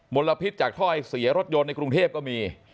ลพิษจากถ้อยเสียรถยนต์ในกรุงเทพก็มี